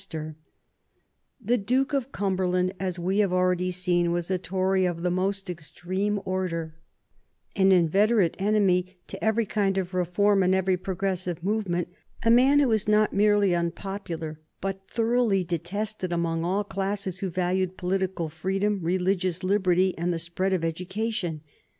[Sidenote: 1835 Wellington and the British Crown] The Duke of Cumberland, as we have already seen, was a Tory of the most extreme order; an inveterate enemy to every kind of reform and every progressive movement, a man who was not merely unpopular but thoroughly detested among all classes who valued political freedom, religious liberty, and the spread of education.